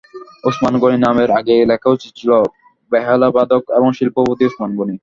ওসমান গনি নামের আগে লেখা উচিত ছিল, বেহালাবাদক এবং শিল্পপতি ওসমান গনি।